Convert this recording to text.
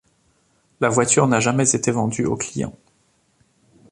La voiture n'a jamais été vendue aux clients.